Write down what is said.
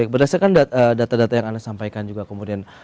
berdasarkan data data yang anda sampaikan juga kemudian